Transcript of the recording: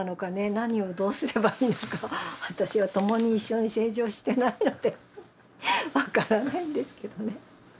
何をどうすればいいのか私は共に一緒に政治をしてないので分からないんですけどね